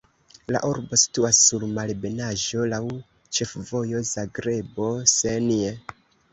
La urbo situas sur malebenaĵo, laŭ ĉefvojo Zagrebo-Senj.